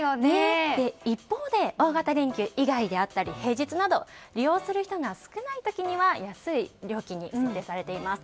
一方で、大型連休以外や平日など利用する人が少ない時には安い料金が設定されています。